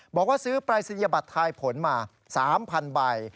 บอกว่าซื้อปรายศนียบัตรทายผลมา๓๐๐ใบ